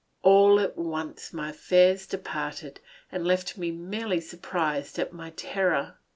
All at once my fears departed, and left me merely surprised at my terror.